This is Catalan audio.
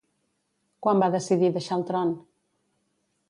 Quan va decidir deixar el tron?